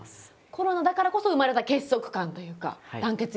コロナだからこそ生まれた結束感というか団結力。